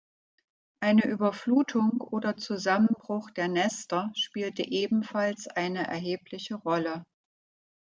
Eine Überflutung oder Zusammenbruch der Nester spielte ebenfalls eine erhebliche Rolle.